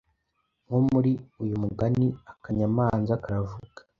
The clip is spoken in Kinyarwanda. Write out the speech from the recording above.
Nko muri uyu mugani akanyamanza karavuga,